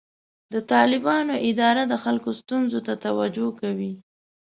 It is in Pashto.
د طالبانو اداره د خلکو ستونزو ته توجه کوي.